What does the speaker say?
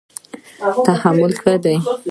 تحمل ښه دی.